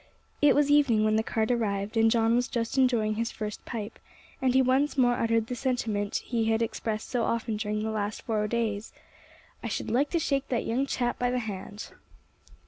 It was evening when the cart arrived, and John was just enjoying his first pipe, and he once more uttered the sentiment he had expressed so often during the last four days, "I should like to shake that young chap by the hand."